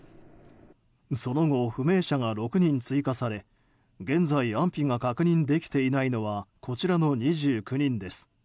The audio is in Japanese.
その後、不明者が６人追加され現在、安否が確認できていないのはこちらの２９人です。